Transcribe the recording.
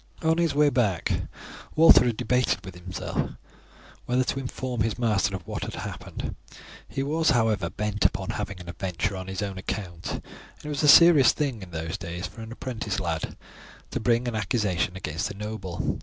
On his way back Walter had debated with himself whether to inform his master of what had happened. He was, however, bent upon having an adventure on his own account, and it was a serious thing in those days for an apprentice lad to bring an accusation against a noble.